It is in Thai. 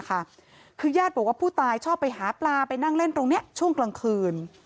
คือญาติบอกว่าผู้ตายชอบไปหาปลาไปนั่งเล่นตรงนี้ช่วงกลางคืน